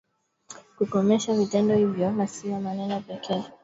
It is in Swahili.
kukomesha vitendo hivyo na sio maneno pekee